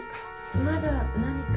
まだ何か？